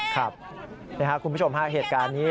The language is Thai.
ครับคุณผู้ชมหากเหตุการณ์นี้